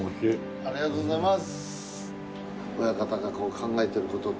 ありがとうございます。